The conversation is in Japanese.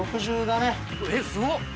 えっすごっ！